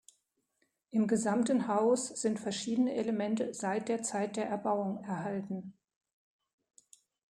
Im gesamten Haus sind verschiedene Elemente seit der Zeit der Erbauung erhalten.